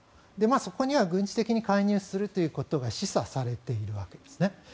そこには軍事的に介入するということが示唆されているわけです。